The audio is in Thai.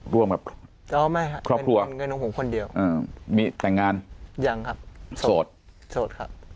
ร่วมกับครอบครัวมีแต่งงานยังครับโสดโสดครับ